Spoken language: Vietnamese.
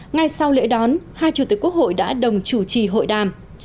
ngay sau lễ đón hai chủ tịch quốc hội đã đồng chủ trì hội đàm